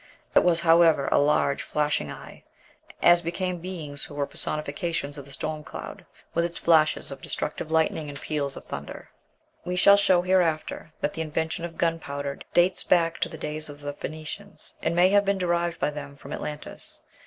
It was, however, a large, flashing eye, as became beings who were personifications of the storm cloud, with its flashes of destructive lightning and peals of thunder." We shall show hereafter that the invention of gunpowder dates back to the days of the Phoenicians, and may have been derived by them from Atlantis.